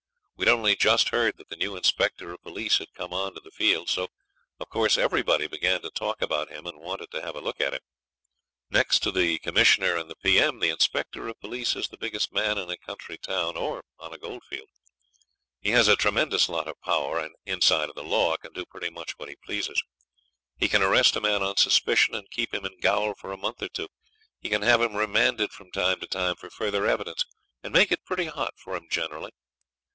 We'd only just heard that the new Inspector of Police had come on to the field; so of course everybody began to talk about him and wanted to have a look at him. Next to the Commissioner and the P.M., the Inspector of Police is the biggest man in a country town or on a goldfield. He has a tremendous lot of power, and, inside of the law, can do pretty much what he pleases. He can arrest a man on suspicion and keep him in gaol for a month or two. He can have him remanded from time to time for further evidence, and make it pretty hot for him generally.